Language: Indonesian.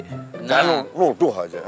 jangan nuduh aja